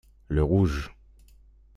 Le rouge.